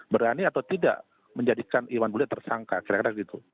berani atau tidak menjadikan iwan bulet tersangka kira kira gitu